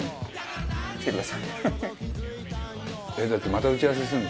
だってまた打ち合わせする？